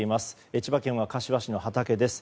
千葉県柏市の畑です。